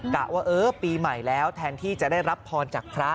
ว่าเออปีใหม่แล้วแทนที่จะได้รับพรจากพระ